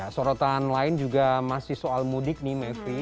sorotan lain juga masih soal mudik nih mevri